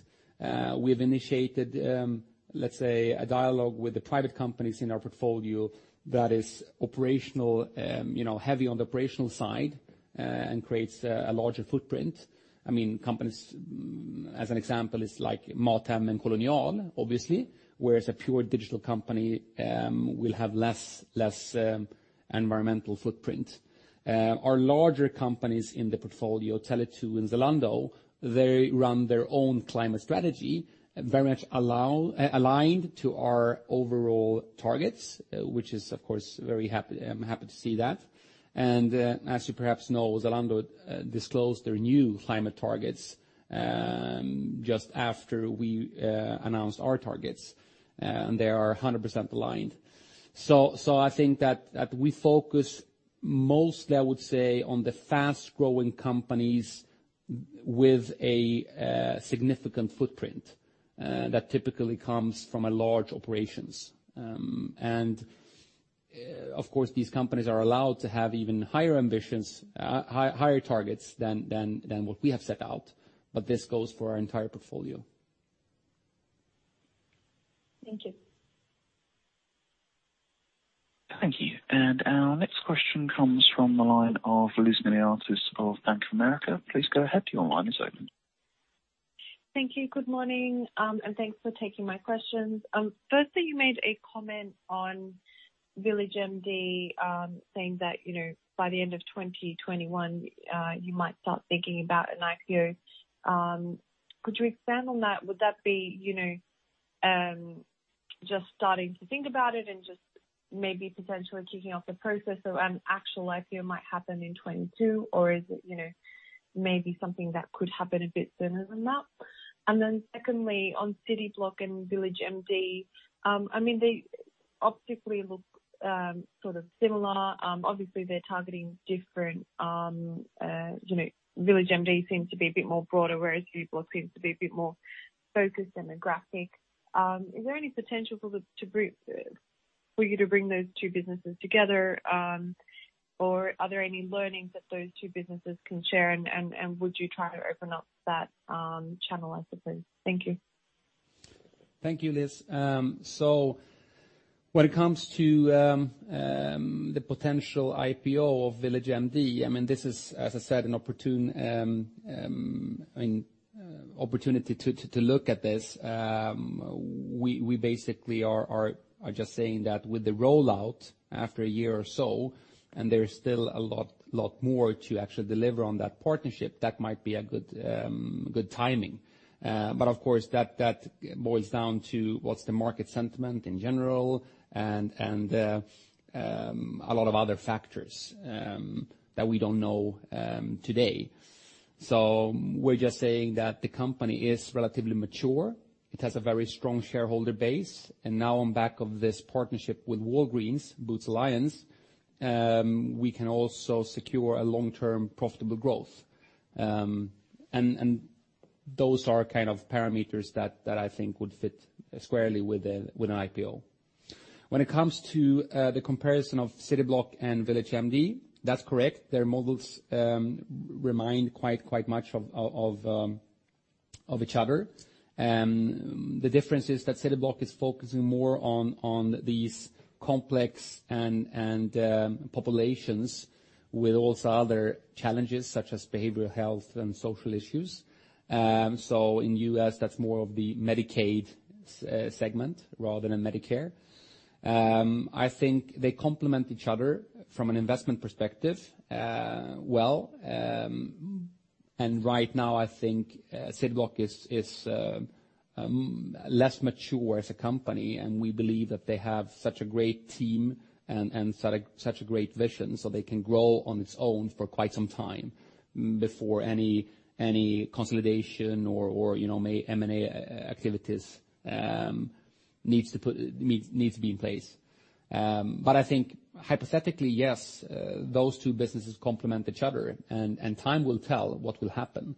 We've initiated, let's say, a dialogue with the private companies in our portfolio that is operational, heavy on the operational side, and creates a larger footprint. Companies as an example is like MatHem and Kolonial, obviously. Whereas a pure digital company will have less environmental footprint. Our larger companies in the portfolio, Tele2 and Zalando, they run their own climate strategy, very much aligned to our overall targets, which is of course, I'm happy to see that. As you perhaps know, Zalando disclosed their new climate targets, just after we announced our targets, and they are 100% aligned. I think that we focus mostly, I would say, on the fast-growing companies with a significant footprint, that typically comes from a large operations. Of course, these companies are allowed to have even higher ambitions, higher targets than what we have set out, but this goes for our entire portfolio. Thank you. Thank you. Our next question comes from the line of Elizabeth Webb of Bank of America. Please go ahead. Your line is open. Thank you. Good morning, and thanks for taking my questions. Firstly, you made a comment on VillageMD, saying that, by the end of 2021, you might start thinking about an IPO. Could you expand on that? Just starting to think about it and maybe potentially kicking off the process of an actual IPO might happen in 2022, or is it maybe something that could happen a bit sooner than that? Secondly, on Cityblock and VillageMD, they optically look sort of similar. Obviously, they're targeting different, VillageMD seems to be a bit more broader, whereas Cityblock seems to be a bit more focused and graphic. Is there any potential for you to bring those two businesses together? Are there any learnings that those two businesses can share, and would you try to open up that channel, I suppose? Thank you. Thank you, Liz. When it comes to the potential IPO of VillageMD, this is, as I said, an opportunity to look at this. We basically are just saying that with the rollout after a year or so, and there is still a lot more to actually deliver on that partnership, that might be a good timing. Of course, that boils down to what's the market sentiment in general and a lot of other factors that we don't know today. We're just saying that the company is relatively mature. It has a very strong shareholder base, and now on back of this partnership with Walgreens Boots Alliance, we can also secure a long-term profitable growth. Those are kind of parameters that I think would fit squarely with an IPO. When it comes to the comparison of Cityblock and VillageMD, that's correct. Their models remind quite much of each other. The difference is that Cityblock is focusing more on these complex and populations with also other challenges, such as behavioral health and social issues. In U.S., that's more of the Medicaid segment rather than a Medicare. I think they complement each other from an investment perspective, well. Right now, I think Cityblock is less mature as a company, and we believe that they have such a great team and such a great vision, so they can grow on its own for quite some time before any consolidation or M&A activities needs to be in place. I think hypothetically, yes, those two businesses complement each other, and time will tell what will happen.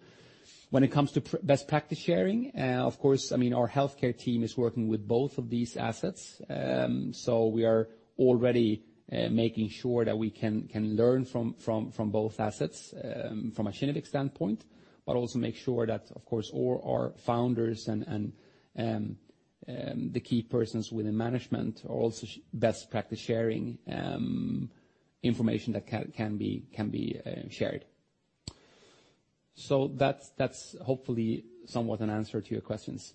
When it comes to best practice sharing, of course, our healthcare team is working with both of these assets. We are already making sure that we can learn from both assets from a Kinnevik standpoint, but also make sure that, of course, all our founders and the key persons within management are also best practice sharing information that can be shared. That's hopefully somewhat an answer to your questions.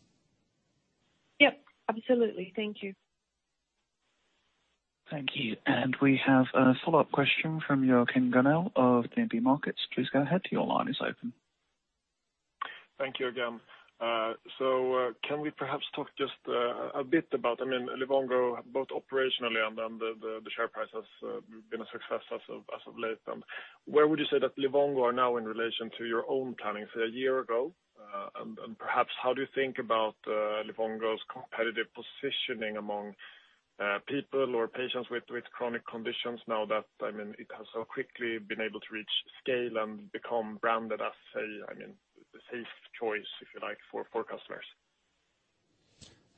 Yep, absolutely. Thank you. Thank you. We have a follow-up question from Joachim Gunell of DNB Markets. Please go ahead. Your line is open. Thank you again. Can we perhaps talk just a bit about Livongo, both operationally and then the share price has been a success as of late. Where would you say that Livongo are now in relation to your own planning, say, a year ago? Perhaps how do you think about Livongo's competitive positioning among people or patients with chronic conditions now that it has so quickly been able to reach scale and become branded as a safe choice, if you like, for customers?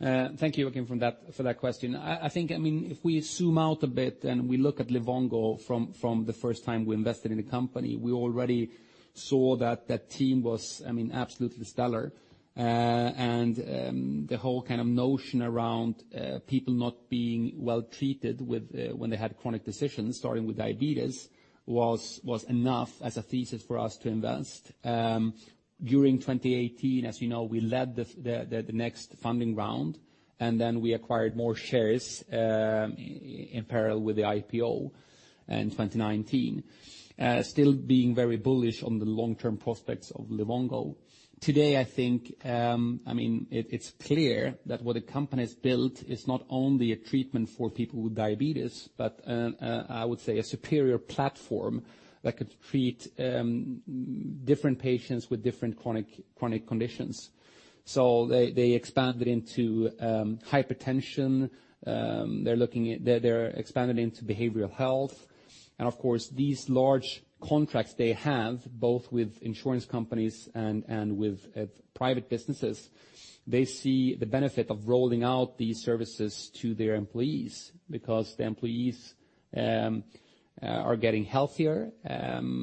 Thank you, Joachim, for that question. We zoom out a bit and we look at Livongo from the first time we invested in the company, we already saw that the team was absolutely stellar. The whole kind of notion around people not being well treated when they had chronic conditions, starting with diabetes, was enough as a thesis for us to invest. During 2018, as you know, we led the next funding round, then we acquired more shares in parallel with the IPO in 2019. Still being very bullish on the long-term prospects of Livongo. Today, I think it's clear that what the company's built is not only a treatment for people with diabetes, but I would say a superior platform that could treat different patients with different chronic conditions. They expanded into hypertension. They're expanded into behavioral health. Of course, these large contracts they have, both with insurance companies and with private businesses, they see the benefit of rolling out these services to their employees because the employees are getting healthier,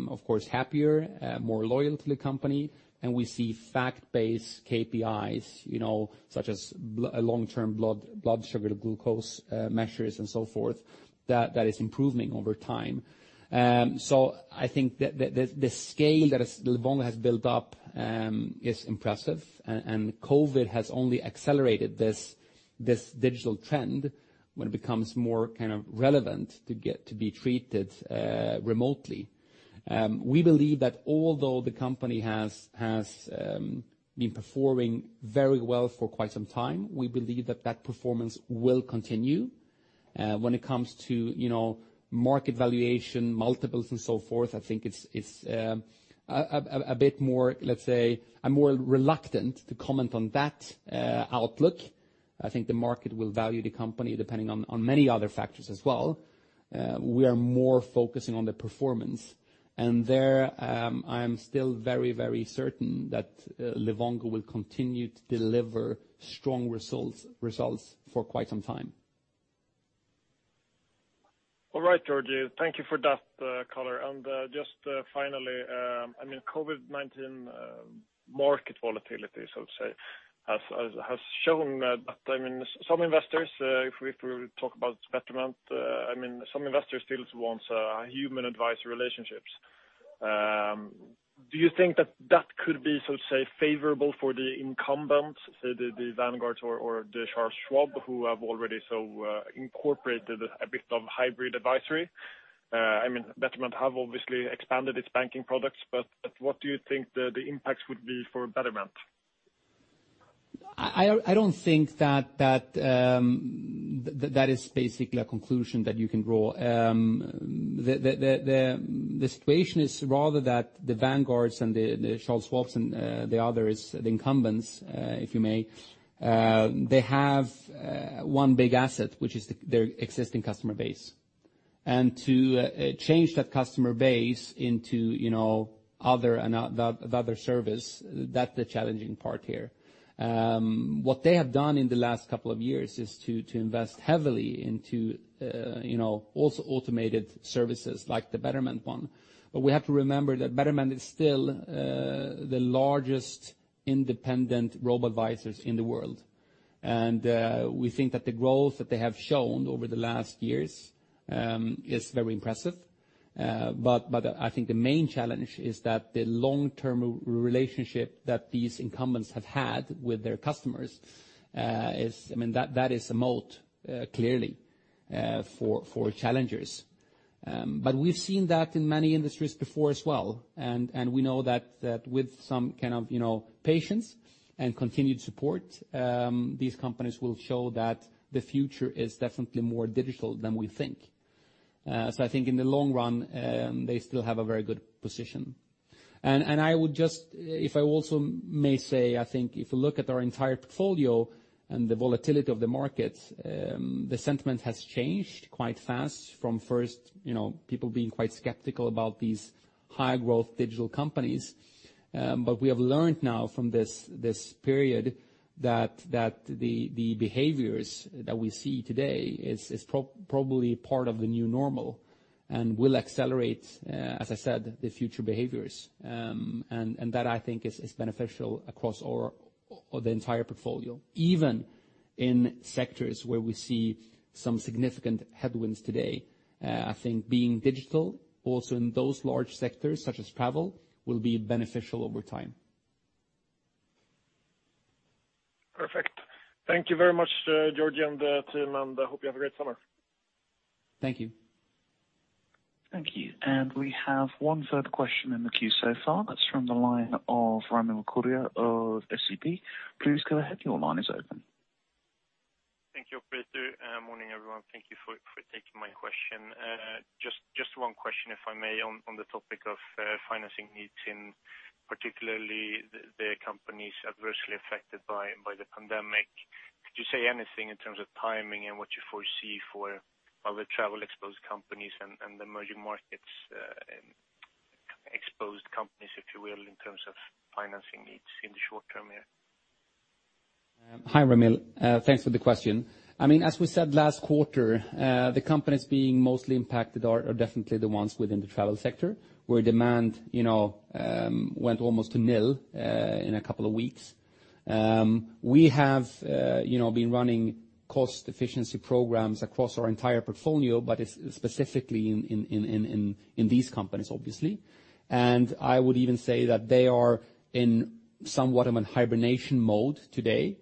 of course happier, more loyal to the company. We see fact-based KPIs, such as long-term blood sugar glucose measures and so forth, that is improving over time. I think the scale that Livongo has built up is impressive, and COVID has only accelerated this digital trend, when it becomes more relevant to get to be treated remotely. We believe that although the company has been performing very well for quite some time, we believe that that performance will continue. When it comes to market valuation, multiples and so forth, I think it's a bit more, let's say, I'm more reluctant to comment on that outlook. I think the market will value the company depending on many other factors as well. We are more focusing on the performance, and there, I am still very certain that Livongo will continue to deliver strong results for quite some time. Georgi, thank you for that color. Just finally, COVID-19 market volatility, so say, has shown that some investors, if we were to talk about Betterment, some investors still want human advice relationships. Do you think that that could be, so to say, favorable for the incumbents, say, the Vanguards or Charles Schwab, who have already so incorporated a bit of hybrid advisory? Betterment have obviously expanded its banking products, what do you think the impacts would be for Betterment? I don't think that is basically a conclusion that you can draw. The situation is rather that the Vanguards and the Charles Schwabs and the others, the incumbents, if you may, they have one big asset, which is their existing customer base. To change that customer base into other service, that's the challenging part here. What they have done in the last couple of years is to invest heavily into also automated services like the Betterment one. We have to remember that Betterment is still the largest independent robo-advisors in the world. We think that the growth that they have shown over the last years is very impressive. I think the main challenge is that the long-term relationship that these incumbents have had with their customers is a moat, clearly, for challengers. We've seen that in many industries before as well, and we know that with some kind of patience and continued support, these companies will show that the future is definitely more digital than we think. I think in the long run, they still have a very good position. I would just, if I also may say, I think if you look at our entire portfolio and the volatility of the markets, the sentiment has changed quite fast from first people being quite skeptical about these high-growth digital companies. We have learned now from this period that the behaviors that we see today is probably part of the new normal and will accelerate, as I said, the future behaviors. That I think is beneficial across the entire portfolio, even in sectors where we see some significant headwinds today. I think being digital also in those large sectors such as travel, will be beneficial over time. Perfect. Thank you very much, Georgi and the team, and hope you have a great summer. Thank you. Thank you. We have one further question in the queue so far. That's from the line of Ramil Koria of SEB. Please go ahead. Your line is open. Thank you, operator. Morning, everyone. Thank you for taking my question. Just one question, if I may, on the topic of financing needs in particularly the companies adversely affected by the pandemic. Could you say anything in terms of timing and what you foresee for other travel exposed companies and the emerging markets exposed companies, if you will, in terms of financing needs in the short term here? Hi, Ramil. Thanks for the question. As we said last quarter, the companies being mostly impacted are definitely the ones within the travel sector, where demand went almost to nil in a couple of weeks. We have been running cost efficiency programs across our entire portfolio, but specifically in these companies, obviously. I would even say that they are in somewhat of a hibernation mode today,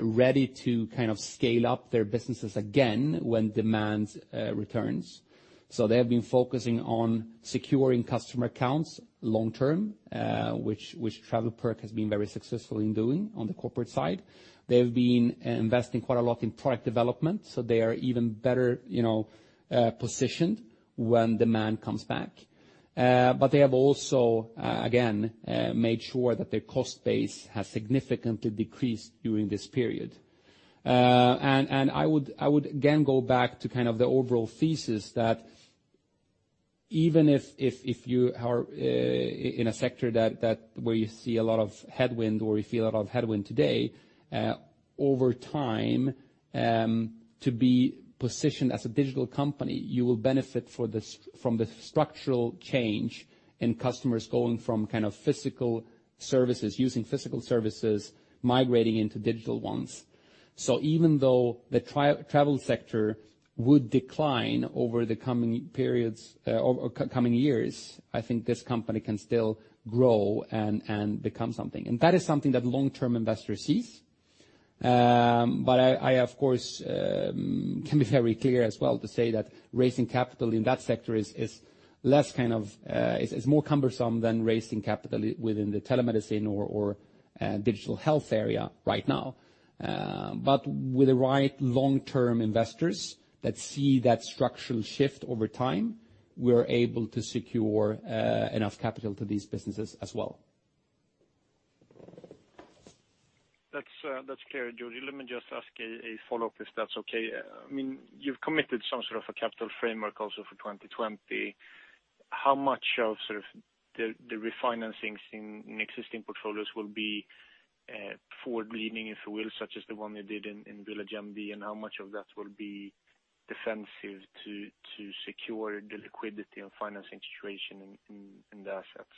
ready to scale up their businesses again when demand returns. They have been focusing on securing customer accounts long-term, which TravelPerk has been very successful in doing on the corporate side. They've been investing quite a lot in product development, so they are even better positioned when demand comes back. They have also, again, made sure that their cost base has significantly decreased during this period. I would again go back to the overall thesis that even if you are in a sector where you see a lot of headwind or you feel a lot of headwind today, over time, to be positioned as a digital company, you will benefit from the structural change in customers going from physical services, using physical services, migrating into digital ones. Even though the travel sector would decline over the coming years, I think this company can still grow and become something. That is something that long-term investors see. I, of course, can be very clear as well to say that raising capital in that sector is more cumbersome than raising capital within the telemedicine or digital health area right now. With the right long-term investors that see that structural shift over time, we're able to secure enough capital to these businesses as well. That's clear, Georgi. Let me just ask a follow-up, if that's okay. You've committed some sort of a capital framework also for 2020. How much of the refinancings in existing portfolios will be forward-leaning, if you will, such as the one you did in VillageMD, and how much of that will be defensive to secure the liquidity and financing situation in the assets?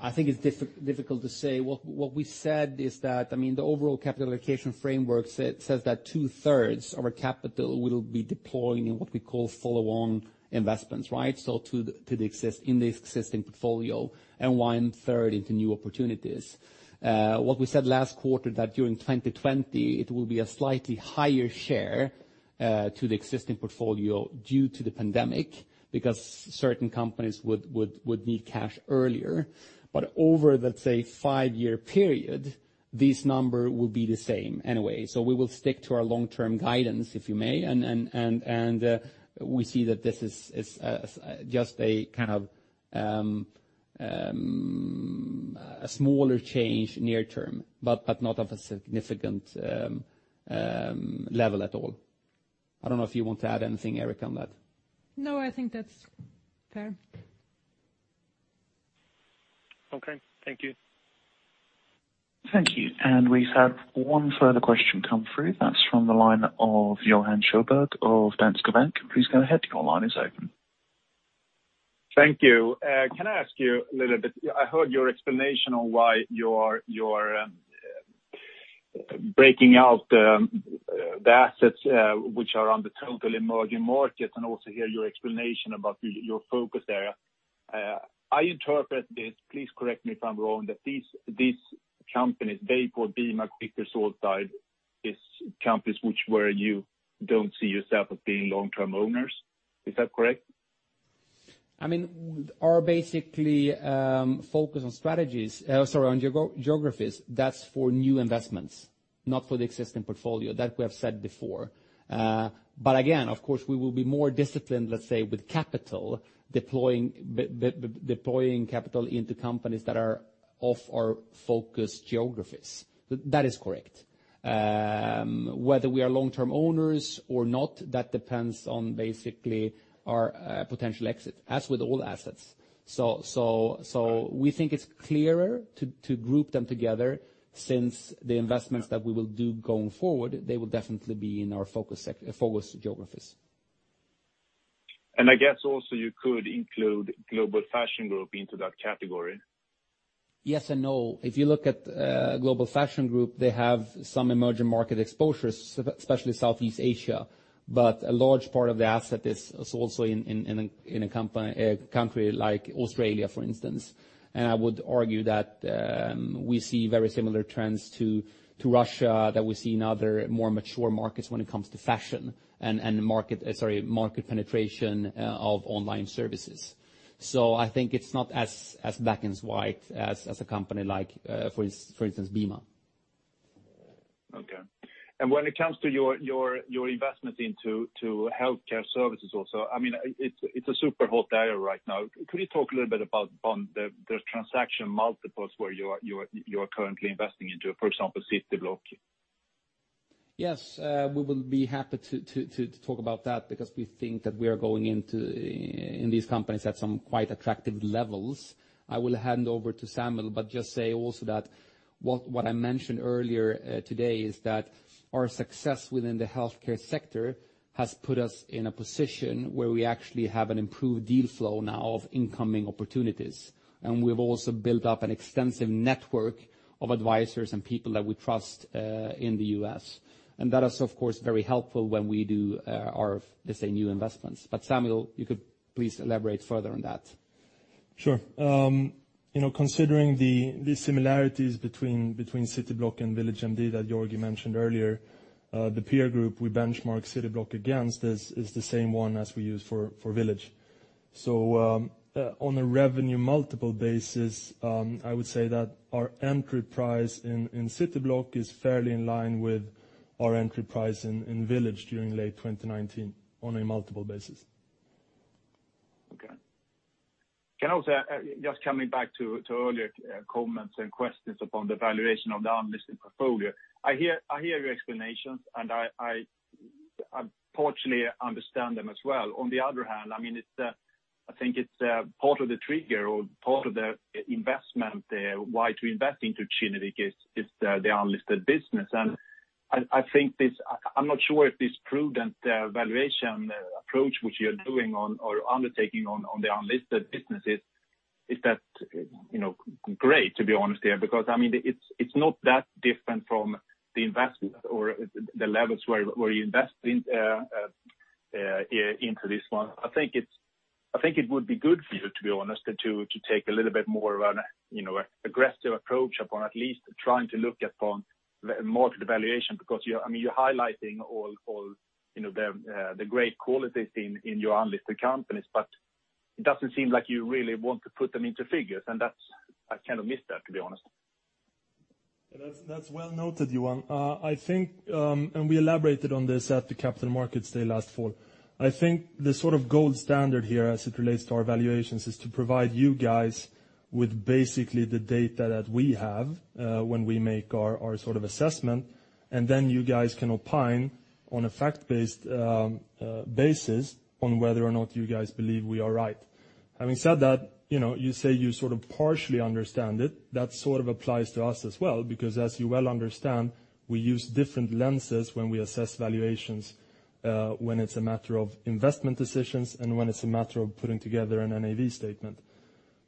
I think it's difficult to say. What we said is that the overall capital allocation framework says that two-thirds of our capital will be deploying in what we call follow-on investments, right? In the existing portfolio and one-third into new opportunities. What we said last quarter, that during 2020, it will be a slightly higher share to the existing portfolio due to the pandemic, because certain companies would need cash earlier. Over, let's say, five-year period, this number will be the same anyway. We will stick to our long-term guidance, if you may, and we see that this is just a smaller change near term, but not of a significant level at all. I don't know if you want to add anything, Erika, on that. No, I think that's fair. Okay. Thank you. Thank you. We've had one further question come through. That's from the line of Johan Sjöberg of Danske Bank. Please go ahead. Your line is open. Thank you. Can I ask you a little bit, I heard your explanation on why you're breaking out the assets which are on the total emerging markets, and also hear your explanation about your focus area. I interpret this, please correct me if I'm wrong, that these companies, Bayport or BIMA, Victor Saltside, these companies which where you don't see yourself as being long-term owners. Is that correct? Our basically focus on geographies, that's for new investments, not for the existing portfolio. That we have said before. Again, of course, we will be more disciplined, let's say, with capital, deploying capital into companies that are off our focus geographies. That is correct. Whether we are long-term owners or not, that depends on basically our potential exit, as with all assets. We think it's clearer to group them together since the investments that we will do going forward, they will definitely be in our focus geographies. I guess also you could include Global Fashion Group into that category. Yes and no. If you look at Global Fashion Group, they have some emerging market exposure, especially Southeast Asia, but a large part of the asset is also in a country like Australia, for instance. I would argue that we see very similar trends to Russia, that we see in other more mature markets when it comes to fashion and market penetration of online services. I think it's not as black and white as a company like, for instance, BIMA. Okay. When it comes to your investment into healthcare services also, it's a super hot area right now. Could you talk a little bit upon the transaction multiples where you are currently investing into, for example, Cityblock? Yes. We will be happy to talk about that because we think that we are going into these companies at some quite attractive levels. I will hand over to Samuel, just say also that what I mentioned earlier today is that our success within the healthcare sector has put us in a position where we actually have an improved deal flow now of incoming opportunities. We've also built up an extensive network of advisors and people that we trust in the U.S. That is, of course, very helpful when we do our, let's say, new investments. Samuel, you could please elaborate further on that. Sure. Considering the similarities between Cityblock and VillageMD that Georgi mentioned earlier, the peer group we benchmark Cityblock against is the same one as we use for Village. On a revenue multiple basis, I would say that our entry price in Cityblock is fairly in line with our entry price in Village during late 2019 on a multiple basis. Okay. Can I also, just coming back to earlier comments and questions upon the valuation of the unlisted portfolio. I hear your explanations, and I partially understand them as well. On the other hand, I think it's part of the trigger or part of the investment, why to invest into Kinnevik is the unlisted business. I'm not sure if this prudent valuation approach which you're doing or undertaking on the unlisted businesses, is that great, to be honest here, because it's not that different from the investment or the levels where you invest into this one. I think it would be good for you, to be honest, to take a little bit more of an aggressive approach upon at least trying to look upon more to the valuation because you are highlighting all the great qualities in your unlisted companies, but it doesn't seem like you really want to put them into figures, and I kind of miss that, to be honest. That's well noted, Johan. We elaborated on this at the Capital Markets Day last fall. I think the sort of gold standard here as it relates to our valuations is to provide you guys with basically the data that we have when we make our assessment, and then you guys can opine on a fact-based basis on whether or not you guys believe we are right. Having said that, you say you sort of partially understand it. That sort of applies to us as well because, as you well understand, we use different lenses when we assess valuations, when it's a matter of investment decisions, and when it's a matter of putting together an NAV statement.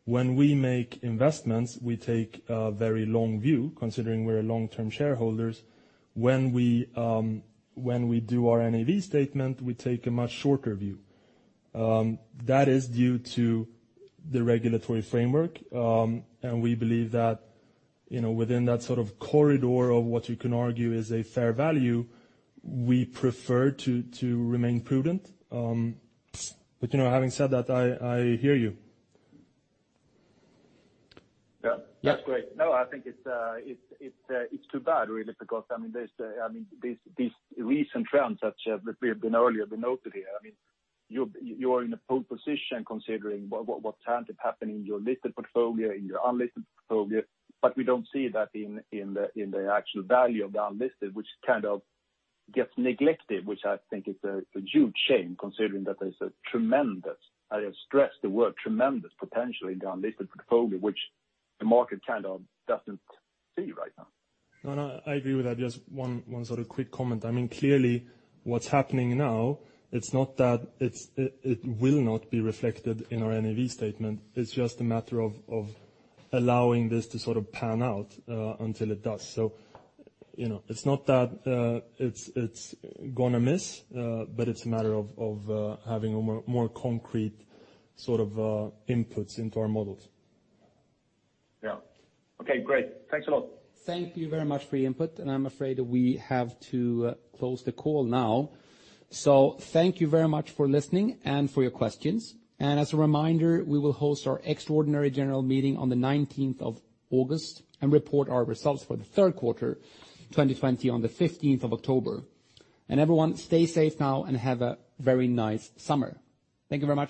When we make investments, we take a very long view, considering we're long-term shareholders. When we do our NAV statement, we take a much shorter view. That is due to the regulatory framework. We believe that within that sort of corridor of what you can argue is a fair value, we prefer to remain prudent. Having said that, I hear you. Yeah. That's great. No, I think it's too bad really because, I mean, these recent trends such as that we have been earlier, we noted here, I mean, you're in a pole position considering what's happened in your listed portfolio, in your unlisted portfolio, but we don't see that in the actual value of the unlisted, which kind of gets neglected, which I think is a huge shame considering that there's a tremendous, I stress the word tremendous, potential in the unlisted portfolio, which the market kind of doesn't see right now. No, I agree with that. Just one sort of quick comment. I mean, clearly what's happening now, it's not that it will not be reflected in our NAV statement, it's just a matter of allowing this to sort of pan out until it does. It's not that it's going to miss, but it's a matter of having a more concrete sort of inputs into our models. Yeah. Okay, great. Thanks a lot. Thank you very much for your input. I'm afraid we have to close the call now. Thank you very much for listening and for your questions. As a reminder, we will host our Extraordinary General Meeting on the 19th of August and report our results for the third quarter 2020 on the 15th of October. Everyone, stay safe now and have a very nice summer. Thank you very much.